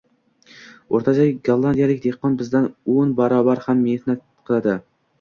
Oʻrtacha gollandiyalik dehqon bizdan o‘n barobar kam mehnat qiladi.